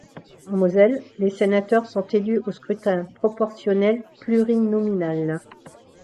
En Moselle, les sénateurs sont élus au scrutin proportionnel plurinominal.